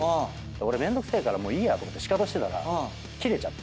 俺めんどくせえからもういいやと思ってシカトしてたらキレちゃって。